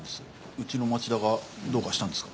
うちの町田がどうかしたんですか？